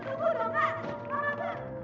tunggu dulu pak